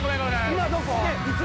今今どこ？